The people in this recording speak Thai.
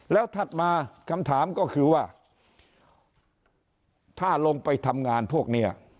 แล้วถัดมาคำถามก็คือว่าถ้าลงไปทำงานพวกนี้